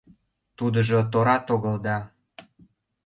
Тудыжо торат огыл да...